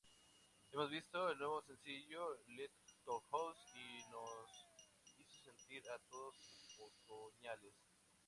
Hemos visto el nuevo sencillo Lighthouse y nos hizo sentir a todos otoñales.